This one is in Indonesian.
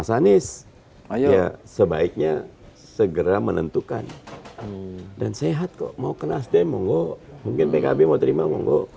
ayo sebaiknya segera menentukan dan sehat kok mau ke nasdem mau mungkin pkb mau terima mau